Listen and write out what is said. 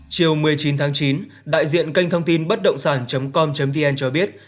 chiều một mươi chín tháng chín đại diện kênh thông tin bất động sản com vn cho biết